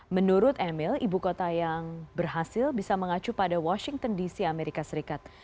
menurut emil ibu kota yang berhasil bisa mengacu pada washington dc amerika serikat